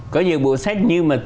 có nhiều bộ sách nhưng mà